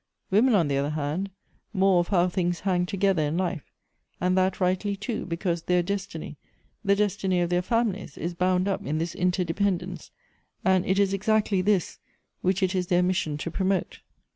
Women, on the other hand, more of how things hang together in life ; and that rightly too, because their destiny — the destiny of their families — is bound up iu this interdependence, and it is exactly this which it is their mission to promote.